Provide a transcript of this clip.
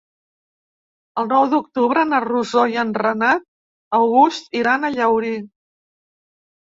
El nou d'octubre na Rosó i en Renat August iran a Llaurí.